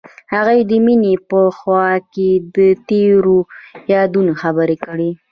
هغوی د مینه په خوا کې تیرو یادونو خبرې کړې.